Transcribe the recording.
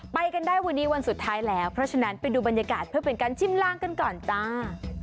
ไปกันได้วันนี้วันสุดท้ายแล้วเพราะฉะนั้นไปดูบรรยากาศเพื่อเป็นการชิมลางกันก่อนจ้า